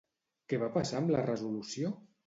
Què va passar amb la resolució?